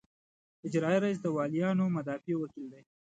اجرائیه رییس د والیانو مدافع وکیل دی.